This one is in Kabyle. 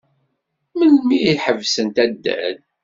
Melmi i tḥebsemt addal?